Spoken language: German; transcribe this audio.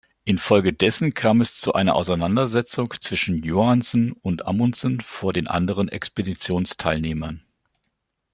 Infolgedessen kam es zu einer Auseinandersetzung zwischen Johansen und Amundsen vor den anderen Expeditionsteilnehmern.